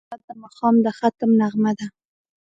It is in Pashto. پیاله د ماښام د ختم نغمه ده.